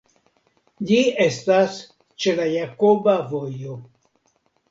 Ĝi estas ĉe la Jakoba Vojo.